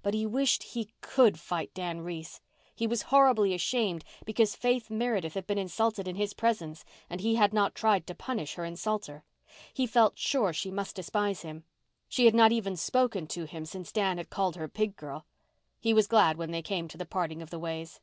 But he wished he could fight Dan Reese. He was horribly ashamed because Faith Meredith had been insulted in his presence and he had not tried to punish her insulter. He felt sure she must despise him. She had not even spoken to him since Dan had called her pig girl. He was glad when they came to the parting of the ways.